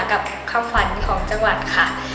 กับคำขวัญของจังหวัดค่ะ